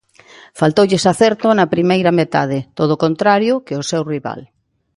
Faltoulles acerto na primeira metade, todo o contrario que ao seu rival.